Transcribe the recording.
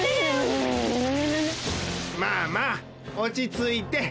まあまあおちついて。